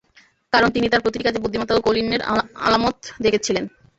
কারণ তিনি তাঁর প্রতিটি কাজে বুদ্ধিমত্তা ও কৌলীন্যের আলামত দেখছিলেন।